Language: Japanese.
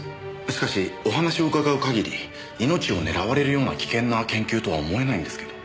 しかしお話を伺う限り命を狙われるような危険な研究とは思えないんですけど。